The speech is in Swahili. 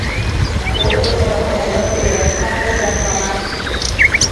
Weupe sehemu ya juu ya tando za kamasi